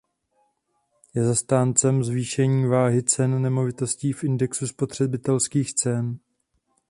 Je zastáncem zvýšení váhy cen nemovitostí v indexu spotřebitelských cen.